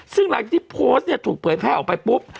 ซึ่งหลังที่โพสต์นี่ถูกเผยแพทย์ออกไปปุ๊บ